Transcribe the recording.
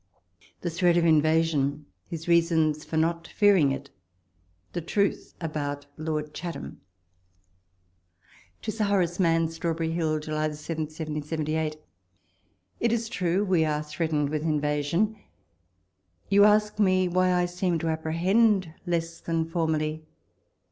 THE THREAT OF INVASION— HIS REASONS FOR NOT FEARING IT— THE TRUTH ABOUT LORD CHATHAM. To 8lK IlORALE ISIaNN. Strawberry Hill, Juhj 7, 1778. ... It is true, we are threatened with invasion. You ask me why I seem to apprehend less than formerly?